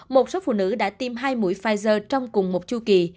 một số phụ nữ đã tiêm hai mũi pfizer trong cùng một chu kỳ